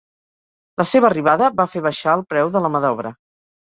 La seva arribada va fer baixar el preu de la mà d'obra.